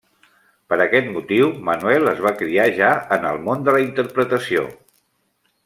Per aquest motiu, Manuel es va criar ja en el món de la interpretació.